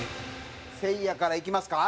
せいやからいきますか？